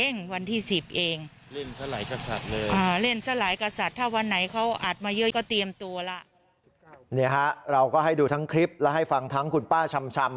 นี่ฮะเราก็ให้ดูทั้งคลิปและให้ฟังทั้งคุณป้าชำ